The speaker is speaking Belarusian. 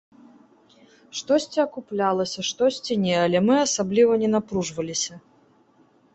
Штосьці акуплялася, штосьці не, але мы асабліва не напружваліся.